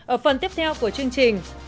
ở phần tiếp theo của chương trình